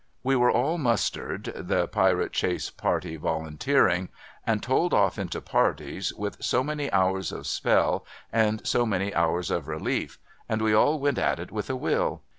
We were all mustered (the Pirate Chace party volun teering), and told off into parties, with so many hours of spell and so many hours of relief, and we all went at it wiUi a will.